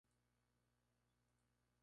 Este estilo de música le fascinaba.